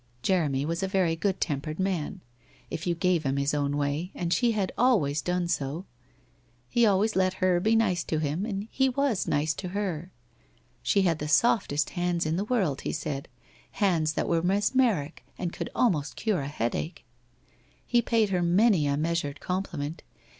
Jeremy was a very good tempered man, if you gave him his own way and she had always done so. He always let her be nice to him and he was nice to her. She had the softest hands in the world, he said, hands that were mes WHITE ROSE OF WEARY LEAF 173 meric and could almost cure a headache. He paid her many a measured compliment.